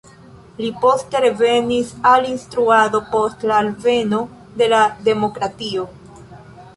Li poste revenis al instruado post la alveno de la demokratio.